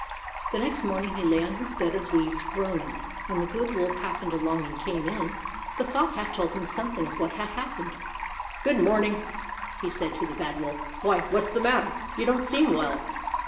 The next morning he lay on his bed of leaves groaning, when the Good Wolf happened along, and came in. The Fox had told him something of what had happened. " Good morning," said he to the Bad Wolf. " Why, what 's the matter ? You don't seem well